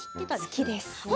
好きです。